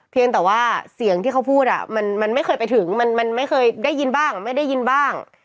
เพียงแต่ว่าเสียงที่เขาพูดมันไม่เคยไปถึงมันไม่เคยได้ยินบ้างไม่ได้ยินบ้าง